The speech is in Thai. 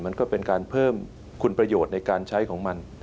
มันก็เป็นการเพิ่มคุณประโยชน์ในการใช้ของมัน